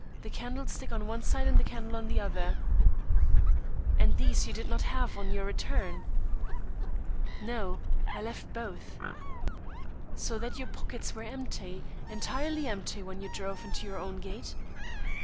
The candlestick on one side and the candle on the other." "And these you did not have on your return?" "No, I left both." "So that your pockets were empty entirely empty when you drove into your own gate?"